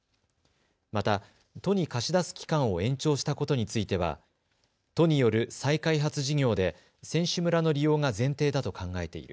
また、都に貸し出す期間を延長したことについては都による再開発事業で選手村の利用が前提だと考えている。